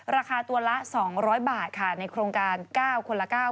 ราคาตัวละ๒๐๐บาทค่ะในโครงการ๙คนละ๙